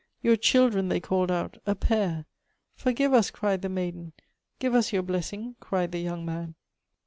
' Your children,' they called out; 'a pair.' 'Forgive us !' cried the maiden. 'Give us your blessing!' cried the young man.